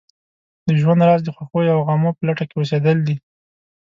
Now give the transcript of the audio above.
د ژوند راز د خوښیو او غمو په لټه کې اوسېدل دي.